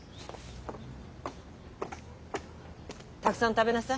たくさん食べなさい。